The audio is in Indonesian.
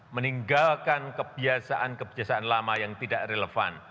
meninggalkan kebiasaan kebiasaan lama yang tidak relevan